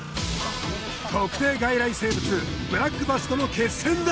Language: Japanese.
特定外来生物ブラックバスとの決戦だ！